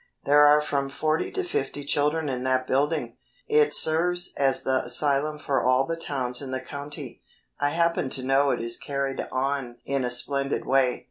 There are from forty to fifty children in that building. It serves as the asylum for all the towns in the county. I happen to know it is carried on in a splendid way.